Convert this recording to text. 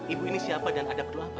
ibu ini siapa dan ada perlu apa